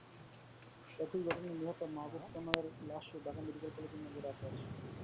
একই ঘটনায় নিহত মাহবুব তনয়ের লাশও ঢাকা মেডিকেল কলেজের মর্গে রাখা আছে।